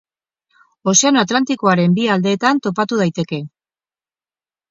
Ozeano Atlantikoaren bi aldeetan topatu daiteke.